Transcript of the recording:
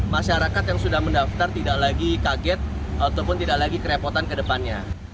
masyarakat yang sudah mendaftar tidak lagi kaget ataupun tidak lagi kerepotan ke depannya